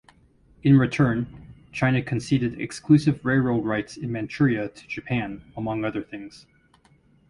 In return, China conceded exclusive railroad rights in Manchuria to Japan, among other things.